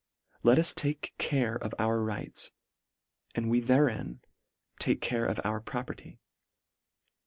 Let us take care of our rights, and we therein take care of our property.